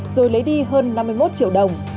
rồi lấy đi hơn năm mươi một triệu đồng